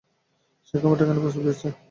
সে খামারটা কেনার প্রস্তাব দিয়েছে।